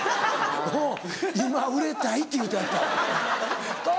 もう今売れたいって言うてはったわ。